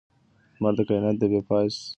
لمر د کائناتو د بې پایه ستورو څخه یو دی.